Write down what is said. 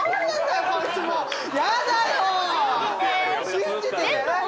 「信じて」じゃない。